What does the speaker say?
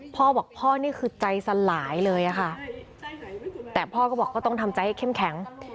พ่อบอกพ่อนี่คือใจสลายเลยอะค่ะแต่พ่อก็บอกก็ต้องทำใจให้เข้มแข็ง